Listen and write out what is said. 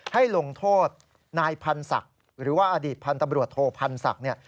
ให้ลงโทษนายพันธ์ศักดิ์หรือว่าอดีตพันธ์ตำรวจโทพันธ์ศักดิ์เนี่ย